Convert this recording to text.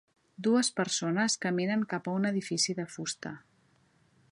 Dues persones caminen cap a un edifici de fusta.